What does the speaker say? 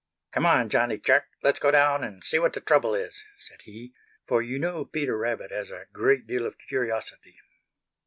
"Come on, Johnny Chuck, let's go down and see what the trouble is," said he, for you know Peter Rabbit has a great deal of curiosity.